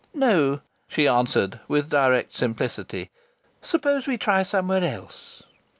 "No," she answered with direct simplicity. "Suppose we try somewhere else?"